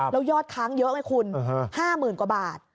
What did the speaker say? แล้วยอดค้างเยอะไงคุณ๕๐๐๐กว่าบาท